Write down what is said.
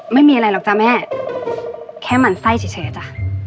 ไม่มีอะไรหรอกจ้ะแม่แค่หมั่นไส้เฉยจ้ะ